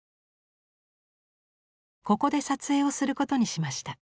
ここで撮影をすることにしました。